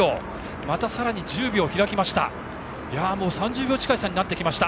またさらに１０秒開きました。